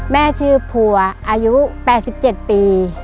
แม่ชื่อผัวอายุ๘๗ปี